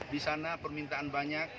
di sana permintaan banyak